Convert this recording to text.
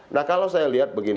nah kalau saya lihat begini